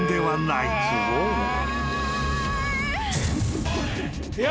いや。